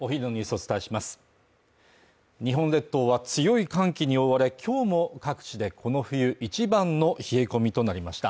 お伝えします日本列島は強い寒気に覆われきょうも各地でこの冬一番の冷え込みとなりました